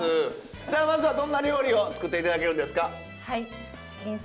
さあまずはどんな料理を作って頂けるんですか？